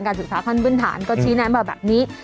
ศึกษาขั้นพื้นฐานก็ชี้แนะมาแบบนี้